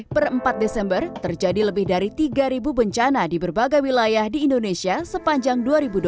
per empat desember terjadi lebih dari tiga bencana di berbagai wilayah di indonesia sepanjang dua ribu dua puluh